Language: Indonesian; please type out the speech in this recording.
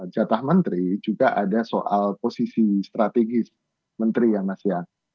jatah menteri juga ada soal posisi strategis menteri ya mas ya